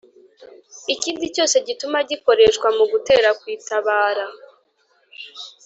ikindi cyose gituma gikoreshwa mu gutera kwitabara